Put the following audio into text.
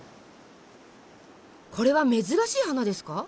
これは珍しい花ですか？